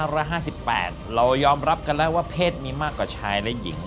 เรายอมรับกันแล้วว่าเพศมีมากกว่าชายและหญิง